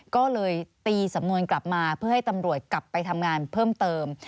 ก็เลยตีสำนวนกลับมาเพื่อให้ตำรวจกลับไปทำงานเพิ่มเติม